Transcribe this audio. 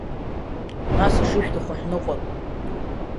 Нас ишышәҭаху ҳныҟәап.